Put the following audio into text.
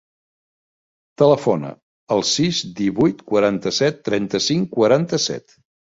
Telefona al sis, divuit, quaranta-set, trenta-cinc, quaranta-set.